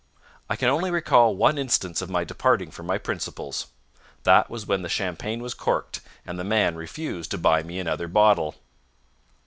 I can only recall one instance of my departing from my principles. That was when the champagne was corked, and the man refused to buy me another bottle.